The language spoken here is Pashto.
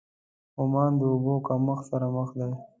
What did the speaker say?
عمان د اوبو کمښت سره مخ دی.